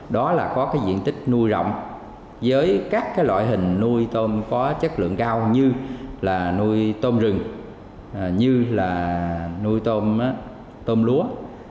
đó là có diện tích nuôi rộng với các loại hình nuôi tôm có chất lượng cao như nuôi tôm rừng nuôi tôm lúa